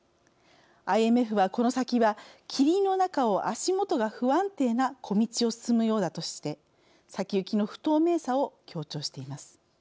ＩＭＦは「この先は霧の中を足元が不安定な小道を進むようだ」として先行きの不透明さを強調しています。